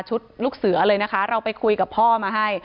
ลูกเสือเลยนะคะเราไปคุยกับพ่อมาให้